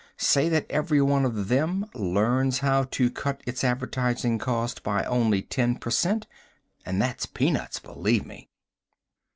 Say that every one of them learns how to cut its advertising cost by only ten per cent. And that's peanuts, believe me!